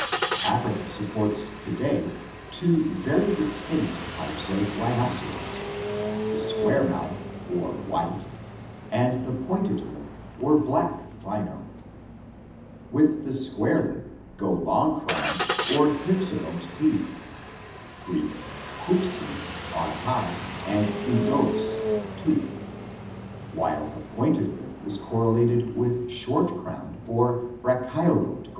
Africa supports to day two very distinct types of rhinoceros — the square mouth or white and the pointed lip or black rhino (see Fig. 47). With the square lip go long crowned or hypsodont (Gr. ifyt, on high, and oSoiJs, tooth) teeth, while the pointed lip is correlated with short crowned or brachyodont (Gr.